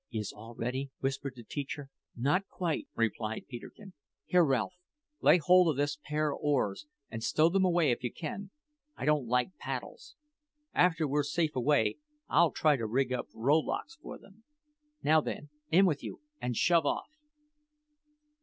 "Is all ready?" whispered the teacher. "Not quite," replied Peterkin. "Here, Ralph, lay hold o' this pair of oars, and stow them away if you can. I don't like paddles. After we're safe away, I'll try to rig up rowlocks for them." "Now, then, in with you and shove off!"